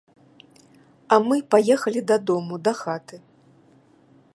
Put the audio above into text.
А мы паехалі дадому, да хаты.